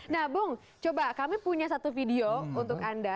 nah bung coba kami punya satu video untuk anda